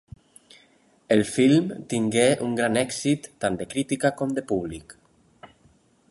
El film tingué un gran èxit tant de crítica com de públic.